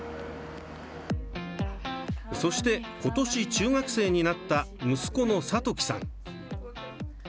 そして、ことし中学生になった息子の諭樹さん。